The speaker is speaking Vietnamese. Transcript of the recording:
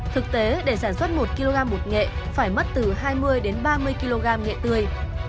thực tế để sản xuất một kg bột nghệ phải mất từ hai mươi đến ba mươi kg nghệ tươi